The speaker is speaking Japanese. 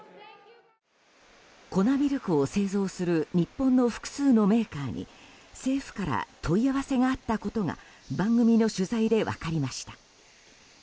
粉ミルクを製造する日本の複数のメーカーに政府から問い合わせがあったことが番組の取材で分かりました。